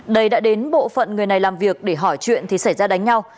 đây đã đến bộ phận người này làm việc để hỏi chuyện thì xảy ra đánh nhau